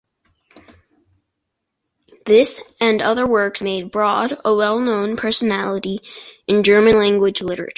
This and other works made Brod a well-known personality in German-language literature.